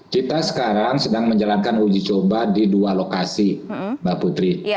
kita sekarang sedang menjalankan uji coba di dua lokasi mbak putri